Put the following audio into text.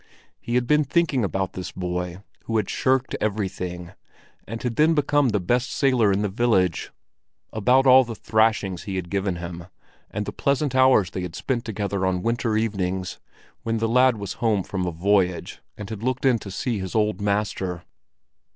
He had been thinking about this boy, who had shirked everything, and had then become the best sailor in the village; about all the thrashings he had given him, and the pleasant hours they had spent together on winter evenings when the lad was home from a voyage and had looked in to see his old master.